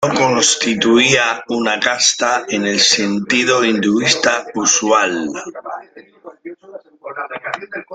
No constituían una casta en el sentido hinduista usual.